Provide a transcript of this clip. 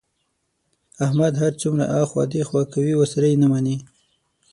احمد هر څومره ایخوا دیخوا کوي، ورسره یې نه مني.